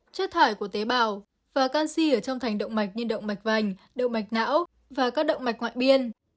chất thải của tế bào và canxi ở trong thành động mạch như động mạch vành động mạch não và các động mạch ngoại biên